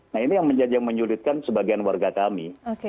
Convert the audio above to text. nah ini yang menyulitkan sebagian warga kami